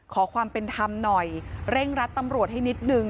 ขอความเป็นธรรมหน่อยเร่งรัดตำรวจให้นิดนึง